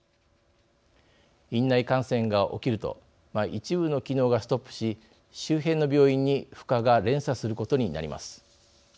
院内感染が起きると一部の機能がストップし周辺の病院に負荷が連鎖することになります。